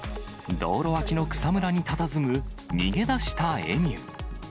道路脇の草むらにたたずむ、逃げ出したエミュー。